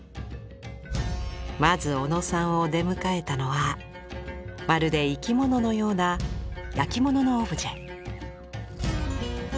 まず小野さんを出迎えたのはまるで生き物のような焼き物のオブジェ。